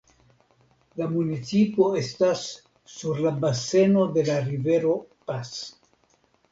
La municipo estas sur la baseno de la rivero Pas.